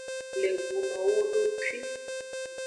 Lebuno wodokwi.